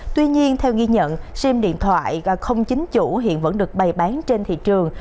tuy nhiên theo ghi nhận sim điện thoại không chính chủ hiện vẫn được bày bán trên thị trường